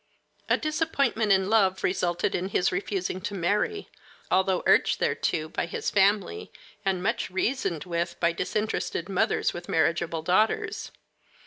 A disappointment in love resulted in his refusing to marry, although urged thereto by his family and much reasoned with by disinterested mothers with marriageable daughters.